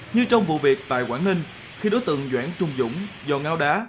như trong vụ việc tại quảng ninh khi đối tượng doãn trung dũng dò ngao đá